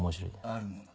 あるもの？